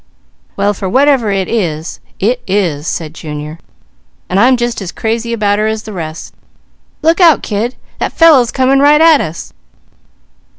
"Well for what ever it is, it is," said Junior, "and I'm just as crazy about her as the rest. Look out kid! That fellow's coming right at us!"